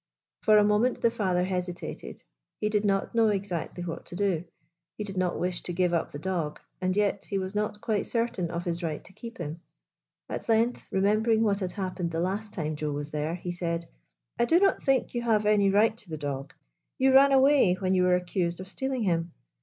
For a moment the father hesitated. He did not know exactly what to do. He did not wish to give up the dog, and yet he was not quite certain of his right to keep him. At length, remembering what had happened the last time Joe was there, he said :" I do not think you have any right to the dog. You ran away when you were accused of stealing him.